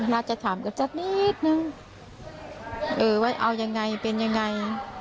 น่าจะถามกันสักนิดนึงเออว่าเอายังไงเป็นยังไง